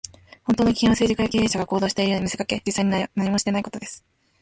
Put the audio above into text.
本当の危険は、政治家や経営者が行動しているように見せかけ、実際には何もしていないことです。